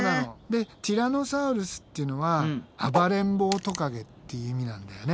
でティラノサウルスっていうのは暴れん坊トカゲって意味なんだよね。